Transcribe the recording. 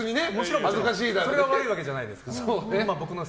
それが悪いわけじゃないから。